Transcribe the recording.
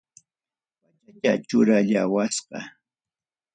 Pachacha churallawasqa.